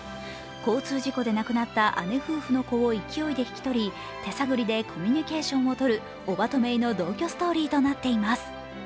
交通事故で亡くなった姉夫婦の子を勢いで引き取り、手探りでコミュニケーションをとるおばとめいの同居ストーリーとなっています。